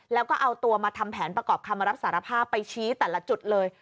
แล้วก็เอาตัวมาทำแผนประกอบคำรับสารภาพไปชี้แต่ละจุดเลย